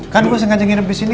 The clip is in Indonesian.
kan gue sengajang nginep disini